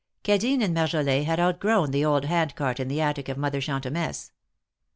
Cadine and Marjolin had outgrown the old handcart in the attic of Mother Chantemesse.